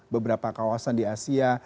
beberapa kawasan di asia